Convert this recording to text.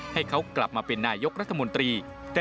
ให้เขากลับมาเป็นนายกรัฐมนตรี